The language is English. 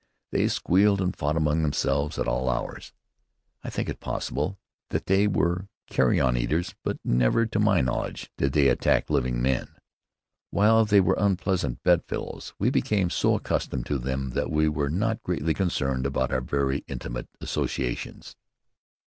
They squealed and fought among themselves at all hours. I think it possible that they were carrion eaters, but never, to my knowledge, did they attack living men. While they were unpleasant bedfellows, we became so accustomed to them that we were not greatly concerned about our very intimate associations.